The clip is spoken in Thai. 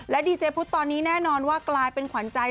ดีเจพุทธตอนนี้แน่นอนว่ากลายเป็นขวัญใจ